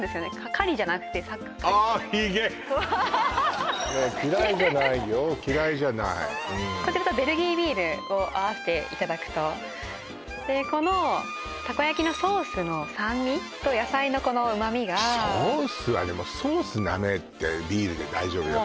カリじゃなくてあーっヒゲ嫌いじゃないよ嫌いじゃないこちらとベルギービールを合わせていただくとでこのたこ焼きのソースの酸味と野菜のこの旨味がソースはでもソースなめてビールで大丈夫よ